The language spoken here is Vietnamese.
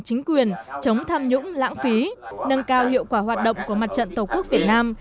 chính quyền chống tham nhũng lãng phí nâng cao hiệu quả hoạt động của mặt trận tổ quốc việt nam